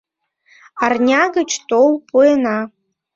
Арня гыч тол, пуэна.